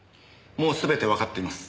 もうすべてわかっています。